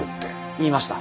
言いました。